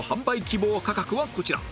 希望価格はこちら